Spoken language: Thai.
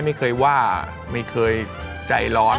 ไม่เคยว่าไม่เคยใจร้อน